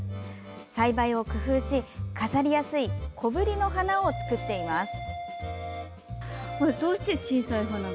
栽培を工夫し飾りやすい小ぶりの花を作っています。